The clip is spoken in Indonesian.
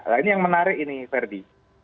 nah ini yang menarik ini ferdi